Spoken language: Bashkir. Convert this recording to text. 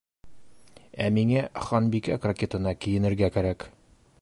Ә миңә Ханбикә крокетына кейенергә кәрәк.